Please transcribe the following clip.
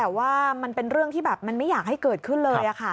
แต่ว่ามันเป็นเรื่องที่ไม่อยากให้เกิดขึ้นเลย